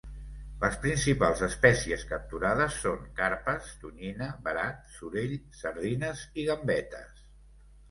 Les principals espècies capturades són carpes, tonyina, verat, sorell, sardines i gambetes.